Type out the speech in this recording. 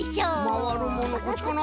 まわるものこっちかな？